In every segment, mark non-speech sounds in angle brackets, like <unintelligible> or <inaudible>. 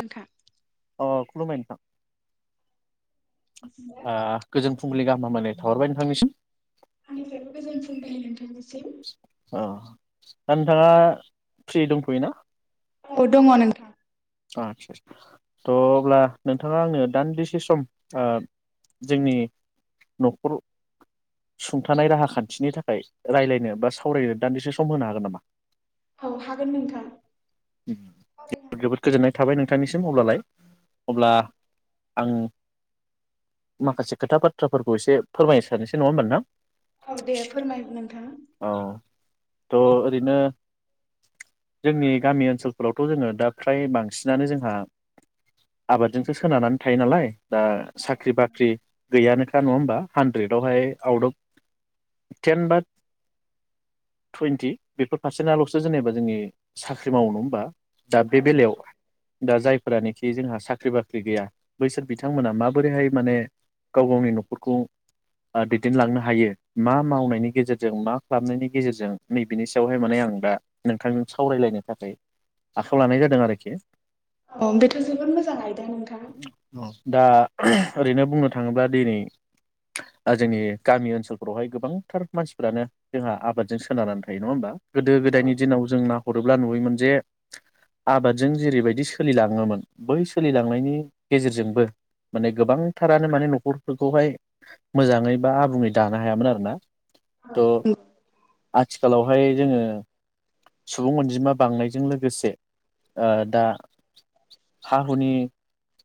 नोंथां अ खुलुमबाय नोंथां ओ गोजोन फुंबिलिनि गाहाम हामलायनाय थाहोहरबाय नोंथांनिसिम आंनिफ्रायबो गोजोन फुंबिलि नोंथांनि औ दा नोंथाङा फ्रि दंथ'योना औ दङो नोंथां अ आत्सा थ' अब्ला नोंथाङा आंनो दान्दिसे सम ओ जोंनि न'खर सुंथानाय राहा खान्थिनि थाखाय रायज्लायनो बा सावरायनो दान्दिसे सम होनो हागोन नामा औ हागोन नोंथां सावरायनो जोबोद हागोन गोजोननाय थाबाय नोंथांनिसिम अब्लालाय अब्ला आं माखासे खोथा बाथ्राफोरखौ एसे फोरमायनो सानोसै नङा होमबा नोंथां औ दे फोरमाय नोंथां औ थ' ओरैनो जोंनि गामि ओनसोलफोरावथ' जोङो दा फ्राय बांसिनानो जोंहा आबादजोंसो सोनारनानै थायो नालाय दा साख्रि बाख्रि गैयानो नङा ओमबा हान्ड्रेडआवहाय आउट आ थेन बा टुइन्टि बेफोर पारसेन्टआल'सो जेनेबा जोंनि साख्रि मावनो होमबा। दा बे बेलायाव दा जायफोरानोखि जोंहा साख्रि बाख्रि गैया बैसोर बिथांमोना माबोरैहाय माने गाव गावनि न'खरखौ दैदेनलांनो हायो मा मावनायनि गेजेरजों जों मा खालामनायनि गेजेरजों नैबेनि सायावहाय माने आं दा नोंथांजों सावरायलायनो थाखाय आखायाव लानाय जादों आरोखि अ बेथ' जोबोद मोजां आइदा नोंथां दा ओरैनो बुंनो थाङोब्ला दिनै जोंनि गामि ओनसोलफ्रावहाय गोबांथार मानसि फोरानो जोंहा आबादजों सोनारनानै थायो नङा होमबा गोदो औ गोदायनि दिनाव जोंना हरोब्ला नुवयोमोन जे आबादजों जेरैबायदि सोलिलाङोमोन बै सोलिलांनायनि गेजेरजोंबो माने गोबांथारानो माने न'खरफोरखौहाय मोजाङै बा आबुङै दानो हायामोन आरोना थ' आथिखालाव बेवहाय जोङो सुबुं अनजिमा बांनायजों लोगोसे ओ दा हा हुनि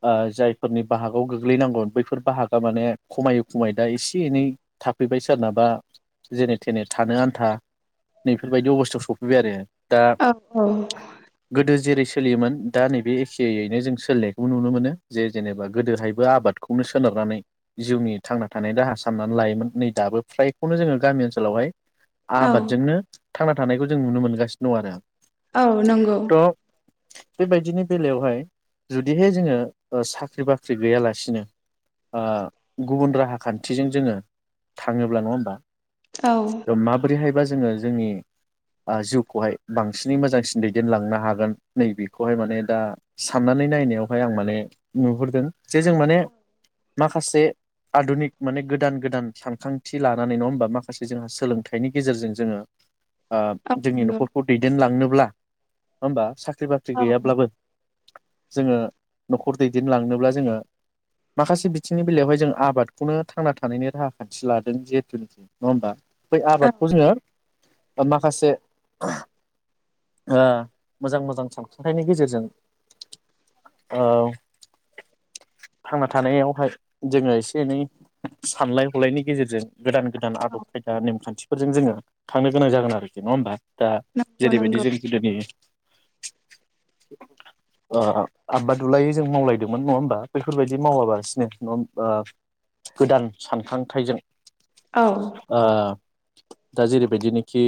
आ जायफोरनि बाहागआव गोग्लैनांगोन बैफोर बाहागा माने खमायै खमायै दा एसे एनै थाफैबाय सोरनाबा जेने थेने थानो आन्था नैफोरबायदि अबस्थायाव सफै <unintelligible> औ औ गोदो जेरै सोलियोमोन दा नैबे एखेयैनो जों सोलिनायखौ नुनो मोनो जे जेनेबा गोदोहायबो आबादखौनो सोनारनानै जिउनि थांना थानायनि राहा सामनानै लायोमोन नै दाबो फ्रायखौनो जोङो गामि ओनसोलावहाय औ आबादजोंनो थांना थानायखौ जों नुनो मोनगासिनो दं आरो औ नंगौ थ' बेबायदिनि बेलायावहाय जुदिहाय जोङो साख्रि बाख्रि गैयालासिनो गुबुन राहा खान्थिजों जोङो थाङोब्ला नङा औ होमबा माबोरैहाय जोङो जोंनि जिउखौहाय बांसिनै मोजांसिन दैदेनलांनो हागोन नैबेखौहाय माने दा साननानै नायनायावहाय आं माने नुहुरदों जे जों माने माखासे आधुनिक माने गोदान गोदान सानखांथि लानानै नङा होमबा माखासे जोंहा सोलोंथाइनि गेजेरजों जोङो औ जोंनि नंगौ न'खरखौ दैदेनलांनोब्ला ओमबा साख साख्रि बाख्रि औ गैयाब्लाबो जोङो न'खर दैदेनलांनोब्ला जोङो माखासे बिथिंनि बेलायावहाय जों आबादखौनो थांना थानायनि राहा खान्थि लादों जिहेथुनोखि नङा होमबा। बै औ आबादखौ जोङो माखासे मोजां मोजां सानसुंथाइनि गेजेरजों थांना थानायावहाय जोङो एसे एनै सानलाय हलायनायनि गेजेरजों गोदान गोदान आदब खायदा नेमखान्थि फोरजों जोङो थांनो गोनां जागोन आरोखि नङा होमबा दा नंगौ जेरैबायदि नंगौ जों गोदोनि आबादलाय जों मावलायदोंमोन नंङा होमबा बेफोरबायदि मावााबलासिनो न गोदान सानखांथायाइजों औ ओ दा जेरैबायदि नाखि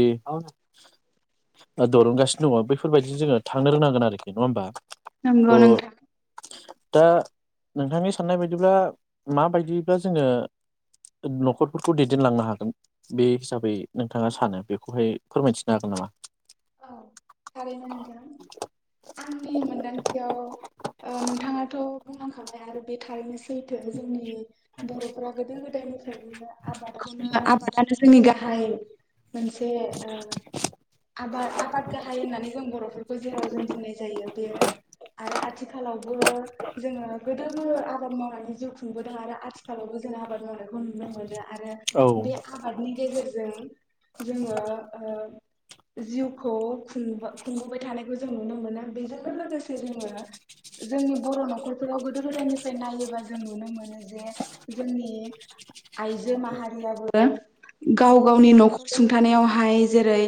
दिरुंगासिनो दङ बैफोरबायदि जोंङो थांनो रोंनांगोन आरोखि नंङा होमबा नंगौा नोंथां थ' दा नोंथांनि साननाय बायदिब्ला माबायदिब्ला जोंङो नखरफोरखौ दैदेनलांनो हागोन बे हिसाबै नोंथांङा सानो बेखौहाय फोरमायथिनो हागोन नामा औ थारैनो नोंथां आंनि मोनदांथियाव नोंथाङाथ बुंलांखाबाय आरो बे थारैनो सैथो जोंनि बर फोरा गोदो गोदायनि फ्रायनो आबादखौनो आबादानो जोंनि गाहाय मोनसे ओ आबाद आबाद गाहाय होननानै जों बर'फोरखौ जेराव जों बुंनाय जायो बे आरो आथिखालावबो जोंङो गोदो जोङो आबाद मावनानै जिउ खुंबोदों आरो आथिखालावबो जों आबाद मावना -नुनो मोनो आरो औ उम बे आबादनि गेजेरजों जों-जोंङो ओ जिउखौ खुंबोबाय थानायखौ जों नुनो मोनो बेजों लोगोसे जोंङो जोंनि बर न खरफोराव गोदो गोदायनिफ्राय नायोबा जों नुनो मोनो जे जोंनि आइजो माहारियाबो गाव गावनि नखर सुंथानायावहाय जेरै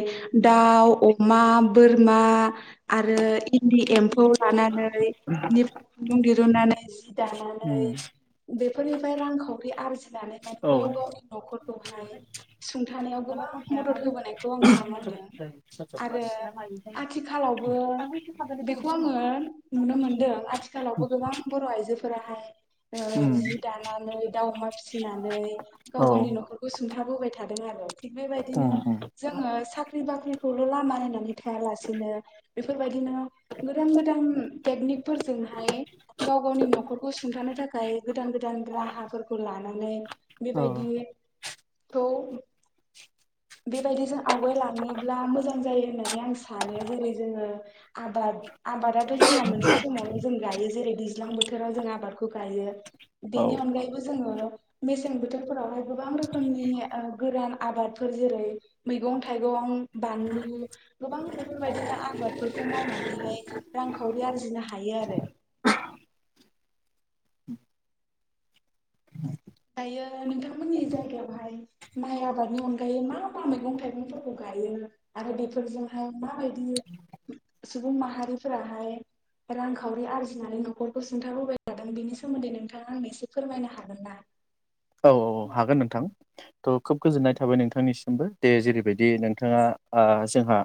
दाउ अमा बोरमा आरो इन्दि एम्फौ लानानै बिनिफ्राय खुन्दुं दिरुननानै जि दानानै बेफोरनिफ्राय रांखावरि आरजिनानै माने औ गाव उम गावनि नखरखौहाय सुंथानायाव गोबां मदद होबोनायखौ आं नुनो मोनदों आरो आथिखालावबो बेखौ आंङो नुनो मोनदों आथिखालावबो गोबां बर आइजोफोर फोराहाय ओ जि दानाानानै दाउ अमा फिसिनानै गाव औ गावनि नखरखौ सुंथाबोबाय थादों आरो थ बेबायदिनो उम उम जोंनि साख्रि बाख्रि लामा नायनानै थाया लासेनो बेफोरबायदिनो गोदान गोदान थेकनिक फोरजोंहाय गाव गावनि नखरखौ सुंथानो थाखाय गोदान गोदान राहाफोरखौ लानानै औ बेबायदिखौ बायदिजों आवगायलाङोब्ला मोजां जनानै आ स जेरै जोंङो आब आबादाथ जोंना मोनसे समावल जों गाययो जेरै दैज्लां बोथोराव जों आबादखौ गाययो औ बेनि अनगायैबो जोंङो मेसें बोथोरफोरावहाय गोबां रोखोमनि गोरान आबादफोर जेरै मैगं थाइं बानलु गोबां बेफोरबायदिनो आबादफोरखौ मावनानैहाय रांखावरि आरजिनो हायो आरो दायो नोंथांमोननि जायगायावहाय माइ आबादनि अनगायै मा मा मैगं थाइगंफोरखौ गायो आरो बेफोरजोंहाय माबायदि सुबुं माहारिफोराहाय रांखावरि आरजिनानै नखरखौ सुंथाबोबबाय थादों बेनि सोमोन्दै नोंथाङा आंनो एसे फोरमायनो हागोन ना औ हागोन नोंथां थ खोब गोजोननाय थाबाय नोंथांनिसिमबो दे जेरैबायदि नोंथाङा जोंहा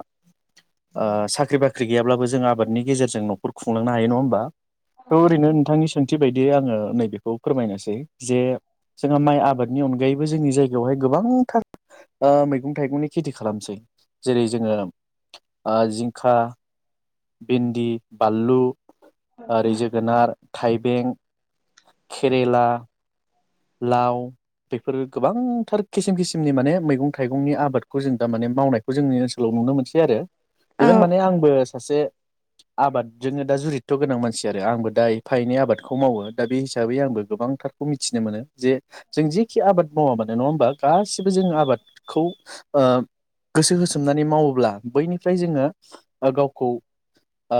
साख्रि बाख्रि गैयाब्लाबो जों आबादनि गेजेरजों नखर खुंलांनो हायो नङा होमबा थ' ओरैनो औ नोंथांनि सोंथि बायदियै आंङो नै बेखौ फोरमायनोसै जे जोंहा माइ आबा दनि अनगायैबो जोंनि जायगायावहाय गोबांथार ओ मैगं थाइगंनि खेथि खालामसै जेरै जोङो ओ जिंखा भिन्दि बानलु आरै जोगोनार थाइबें केरेला लाव बेफोरो गोबांथार खिसिम खिसिमनि माने मैगं थाइगंनि आबादखौ जों दामाने मावनायखौ जोंनि ओनसोलाव नुनो मोनसै आरो। इभेन माने आंबो सासे आबादजोंनो दा जुरित्थ' गोनां मानसि आरो आंबो दा एफा एनै आबादखौ मावो। दा बे हिसाबै आंबो गोबांथारखौ मिथि थिनो मोनो जे जों जेखि आबाद मावा मानोे नङा होमबा। गासिबो जोङो आबादखौ ओ गोसो होसोमनानै मावोब्ला बैनिफ्राय जोङो ओ गावखौ ओ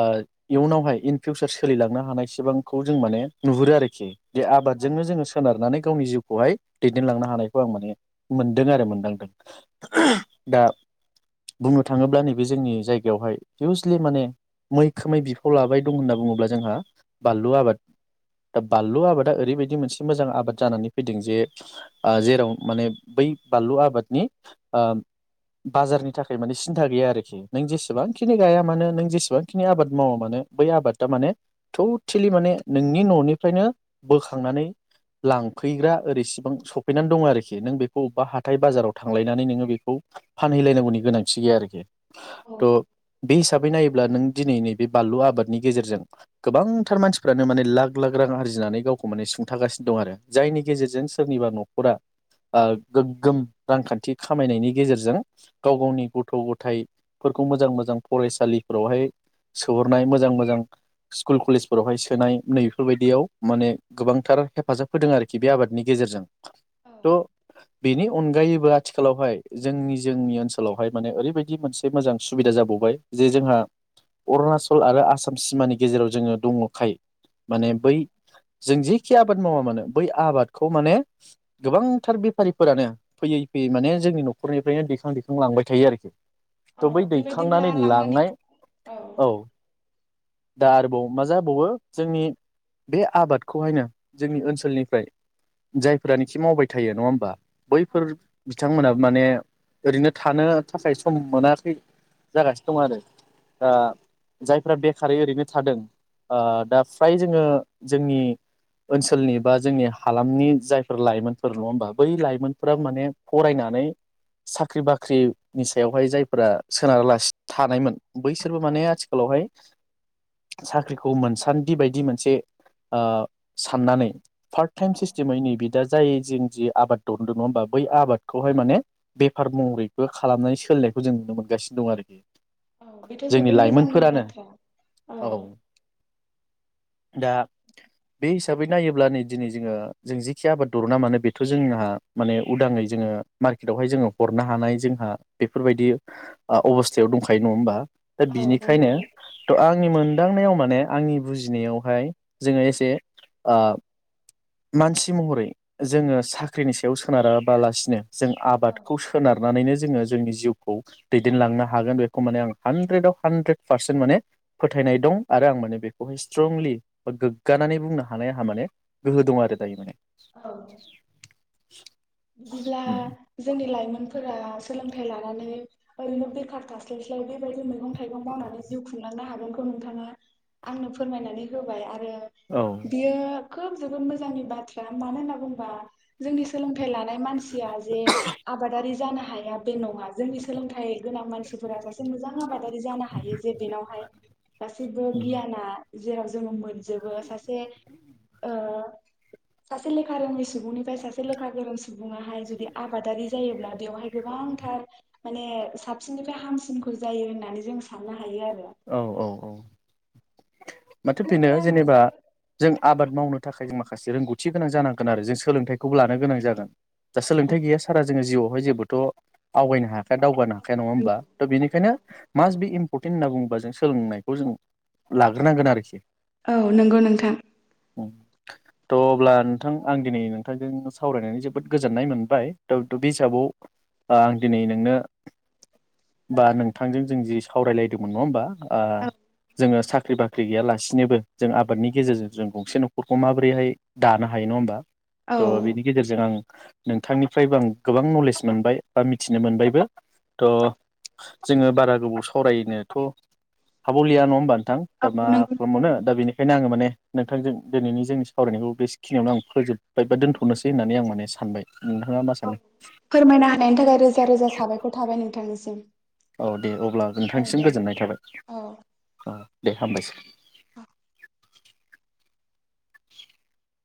इयुनावहाय इन फिउसार सोलिलांनो हानाय सिबांखौ जों माने नुहुरो आरोखि। बे आबादजोंनो जोङो सोनारनानै गावनि जिउखौहाय दैदेनलांनो हानायखौ आं माने मोनदों आरो मोनदांदों दा बुंनो थाङोब्ला नैबे जोंनि जायगायावहाय हिउसलि माने मैखोमै बिफाव लाबाय दं होनना बुङोब्ला जोंहा बानलु आबाद दा बानलु आबादा ओरैबायदि मोनसे मोजां आबाद जानानै फैदों जे ओ जेराव माने बै बानलु आबादनि ओ बाजारनि थाखाय माने सिन्था गैया आरोखि नों जेसेबांखिनि गाया मानो नों जेसेबांखिनि आबाद मावा मानो बै आबादा माने थथेलि माने नोंनि न'निफ्रायनो बोखांनानै लांफैग्रा ओरैसिबां सफैनानै दङ आरोखि नों बेखौ अबेबा हाथाय बाजाराव थांलायनानै नोङो बेखौ फानहैलायनांगौनि गोनांथि गैया आरोखि। औ थ' बे हिसाबै नायोब्ला नों दिनै नैबे बानलु आबादनि गेजेरजों गोबांथार मानसिफ्रानो माने लाख लाख रां आरजिनानै गावखौ माने सुंथागासिनो। दं आरो जायनि गेजेरजों सोरनिबा न'खरा आ गोग्गोम रांखान्थि खामायनायनि गेजेरजों गाव गावनि गथ' गथायाइफोरखौ मोजां मोजां फरायसालिफोरावहाय सोहरनाय मोजां मोजां स्कुल कलेजफोरावहाय सोनाय नैफोरबायदियाव माने गोबांथार हेफाजाब होदों आरोखि बे आबादनि गेजेरजों औ थ' बेनि अनगायैबो आथिखालावहाय जोंनि जोंनि ओनसोलावहाय माने ओरैबायदि मोनसे मोजां सुबिदा जाबावबाय जे जोंहा अरुणाचल आरो आसाम सिमानि गेजेराव जोङो दङखाय माने बै जों जि एखे आबाद मावा मानो बै आबादखौ माने गोबांथार बेफारिफोरानो फैयै फैयै माने जोंनि न'खरनिफ्रायनो दैखां दैखां लांबाय थायो आरोखि। औ थ' बै बेबायदिब्ला दैखांनानै लांनानै लांनाय औ दा आरोबाव मा जाबावो जोंनि बे आबादखौहायनो जोंनि ओनसोलनिफ्राय जायफ्रानोखि मावबाय थायो नङा होमबा। बैफोर बिथां बिथांमोनाबो माने ओरैनो थानो थाखाय सम मोनाखै जागासिनो दं आरो। आ जाय बेखारै ओरैनो थादों ओ दा फ्राय जोङो जोंनि ओनसोलनि बा जोंनि हालामनि जायफोर लाइमोनफोर नङा होमबा बै लाइ मोनफ्राम माने फरायनानै साख्रि बाख्रिनि सायावहाय जायफोरा सोनारालासि थानायमोन बैसोरबो माने आथिखालावहाय साख्रिखौ मोनसान्दि बायदि मोनसे ओ साननानै पार्ट टाइम सिस्टेमै नैब दा जाय जों जि आबाद दोनदों नङा होमबा बै आबादखौहाय माने बेफार महरैबो खालामनानै सोलिनायखौ जों नुनो मोनगासिनो दं आरोखि औ बेथ' जोंनि जोबोद मोजांनि लाइमोनफोरानो बाथ्रा औ दा बे हिसाबै नायोब्ला नै दिनै जोङो जों जिेखि आबाद दरना मानो बेथ' जोंहा माने उदाङै जोङो मार्केटावहाय जोङो हरनो हानाय जोंहा बेफोरबायदि अबस्थायाव दंखायो नङा होमबा? दा औ बिनिखायनो नंगौ थ' आंनि मोन दांनायाव माने आंनि बुजिनायावहाय जोङो एसे मानसि महरै जोङो साख्रिनि सायाव सोनाराबालासिनो जों आबादखौ सोनारनानैनो जोंङो जोंनि जिउखौ दैदेन लांनो हागोन बेखौ माने आं ह्राद्रेद आव ह्रानद्रेद पारसेन माने फोथायनाय दं आरो आं माने बेखौहाय स्ट्रंलि गोग्गानानैनानै बुं हानायहा माने गोहो दं आरो दायो माने औ। <inaudible> बिदिब्ला जोंनि लाइमोन- फोर सोलोंथाइ लानानै ओरैनो बेखार थास्लायस्लाय बेबायदि मैगं थाइगं मावनानै जिउ खुंलांनो हागोनखौ नोंथाङा आंनो फोरमायनानै होबाय आरो औ आरो बियो खोब जोबोद मोजांनि बाथ्रा मानो होनना बुंबा जोंनि सोलोंथाय लानाय मानसिया जे आबादारि जानो हाया बे न नङा जोंनि सोलोंथाइ गोनां मानसिफोरा सासे मोजां आबादारि जानो हायो जे बेनावहाय गासैबो गियाना जेराव जोङो मोन जोबो सासे सासे लेखा रोंसुबुंनिफ्राय सासे लेखा <unintelligible> सुबुङाहाय जुदि आबादारि जायोब्ला बेवहाय गोबांथार माने साबसिननिफ्राय हामसिनखौ जायो होननानै जों सान औ औ औ। माथो बेनो जेनेबा जों आबाद मावनो थाखाय जों माखासे रोंगौथि गोनां जानांगोन आरो जों सोलोंथाइखौबो लानो गोनां जागोन। दा सोलोंथाइ गैया सारा जोङो जिउआव बेवहाय जेबोथ' आवगायनो हायाखै। दावगानो हाखाया नङा होमबा त' बेनिखायनो मास फटिन होनना बुंबा जों सोलोंनायखौ जों लाग लिरनांगोन आरोखि। औ नंगौ नोंथां। थ' अब्ला नोंथां आं दिनै नोंथांजों सावरायनानै जोबोद गोजोननाय मोनबाय थ थ' बे हिसाबाव आं दिनै नोंनो बा नोंथांजों जों जि सावरायलायदोंमोन नङा होमबा? जोङो साख्रि <inaudible> साख्रि गैयालासिनोबो जों आबादनि गेजेरजों जों गंसे न'खरखौ माबोरैहाय दानो हायो नङा होमबा। औ थ' बिनि गेजेरजों आं नोंथांनिफ्रायबो आं गोबां नलेज मोनबाय बा मिथिनो मोनबायबो थ' जोङो बारा गोबाव सावरायनोथ' हाब'लिया नङा होमबा नोंथां औ <unintelligible> मा नंगौ खालामबावनो दा बेनिखायनो आङो माने नोंथांजों दिनैनि जोंनि सावरायनायखौ बे सिखिनियावनो आं फोजोब्बाय बा दोन्थ'नोसै होननानै आं माने सानबाय। नोंथाङा मा औ सानो फोरमायनो होनायनि थाखाय रोजा रोजा साबायखर थाबाय नोंथां निसिम। औ दे अब्ला नोंथांनिसिम गोजोननाय औ थाबाय औ। हामबायसै